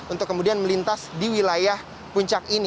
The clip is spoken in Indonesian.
untuk kemudian melintas di wilayah puncak ini